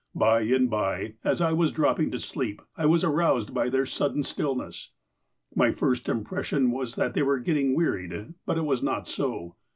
... By and by, as I was dropping asleep, I was aroused by their sudden stillness. My first impression was that they were get ting wearied, but it was not so.